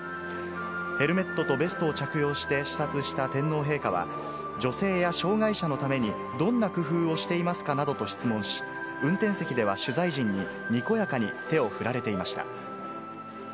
ヘルメットとベストを着用して視察した天皇陛下は、女性や障がい者のためにどんな工夫をしていますかなどと質問し、運転席では、取材陣に、にこやかに手を振られていました。